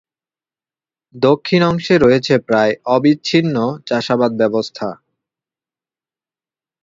দক্ষিণ অংশে রয়েছে প্রায় অবিচ্ছিন্ন চাষাবাদ ব্যবস্থা।